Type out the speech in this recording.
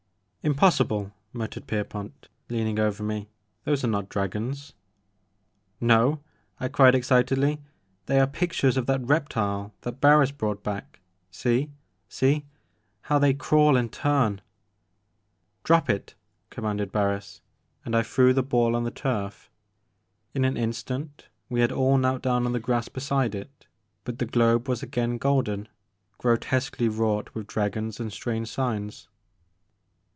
'* Impossible I " muttered Pierpont, leaning over me ;*' those are not dragons "'* No r* I cried excitedly ;" they are pictures of that reptile that Barris brought back— see — see how they crav/1 and turn 'Drop it !'* commanded Barris ; and I threw the ball on the turf. In an instant we had all knelt down on the grass beside it, but the globe was again golden, grotesquely wrought with dra gons and strange signs.